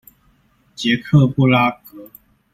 捷克布拉格